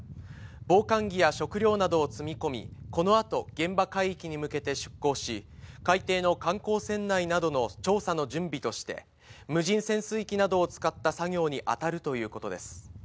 防寒着や食料などを積み込み、このあと、現場海域に向けて出航し、海底の観光船内などの調査の準備として、無人潜水機などを使った作業に当たるということです。